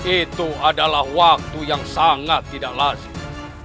itu adalah waktu yang sangat tidak lazim